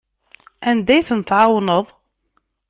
Anda ay ten-tɛawneḍ?